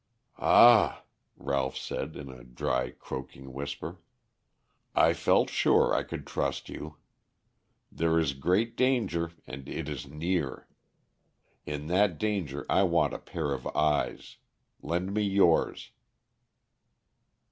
"Ah," Ralph said, in a dry, croaking whisper. "I felt sure I could trust you. There is a great danger and it is near. In that danger I want a pair of eyes. Lend me yours."